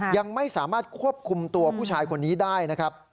ยังไม่สามารถควบคุมตัวผู้ชายคนนี้ได้นะครับ